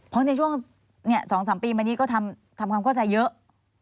เพราะในช่วง๒๓ปีมานี้ก็ทำความเข้าใจเยอะ